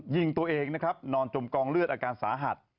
ยิงตัวเองนะครับนอนจมกองเลือดอาการสาหัส